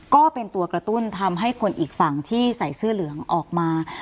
ก็เป็นตัวกระตุ้นทำให้คนอีกฝั่งที่ใส่เสื้อเหลืองออกมา